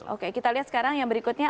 oke kita lihat sekarang yang berikutnya